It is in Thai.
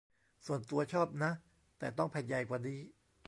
ส่วนตัวชอบนะ แต่ต้องแผ่นใหญ่กว่านี้